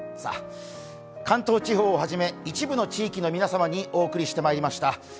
関東地方をはじめ一部の地域の皆様にお送りしてまいりました、